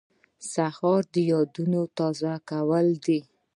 سهار د یادونو تازه کول دي.